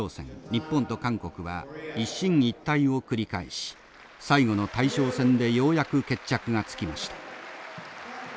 日本と韓国は一進一退を繰り返し最後の大将戦でようやく決着がつきました。